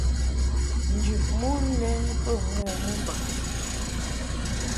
Njɨʼ mon lɛ bə mo mɨmbaŋ.